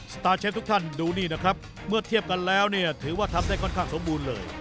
สตาร์เชฟทุกท่านดูนี่นะครับเมื่อเทียบกันแล้วเนี่ยถือว่าทำได้ค่อนข้างสมบูรณ์เลย